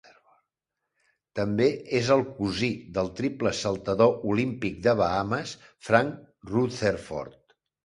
També és el cosí del triple saltador olímpic de Bahames Frank Rutherford.